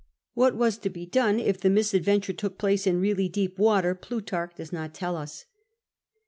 What was to be done if the misadventure took place in really deep water, Plutarch does not tell us.